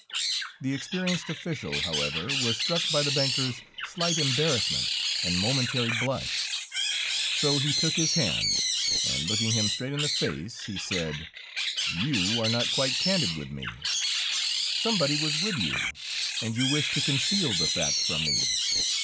The experienced official, however, was struck by the banker's slight embarrassment and momentary blush, so he took his hand, and looking him straight in the face, he said: "You are not quite candid with me; somebody was with you, and you wish to conceal the fact from me.